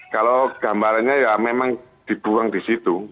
kalau gambarannya ya memang dibuang di situ